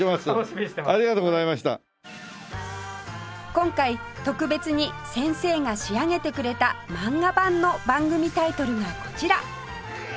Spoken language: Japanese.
今回特別に先生が仕上げてくれた漫画版の番組タイトルがこちら